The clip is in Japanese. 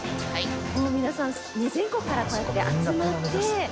もう皆さん全国からこうやって集まって。